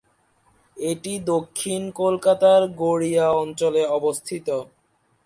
এটি দক্ষিণ কলকাতার গড়িয়া অঞ্চলে অবস্থিত।